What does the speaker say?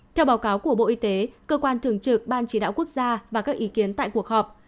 theo báo cáo của bộ y tế cơ quan thường trực ban chỉ đạo quốc gia và các ý kiến tại cuộc họp